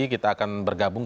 kita akan bergabung